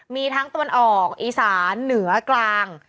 มีทั้งตะวันออกอีสานเหนือกลาง